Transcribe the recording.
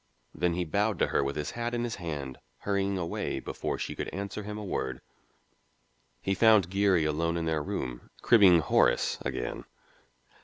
Then he bowed to her with his hat in his hand, hurrying away before she could answer him a word. He found Geary alone in their room, cribbing "'Horace" again.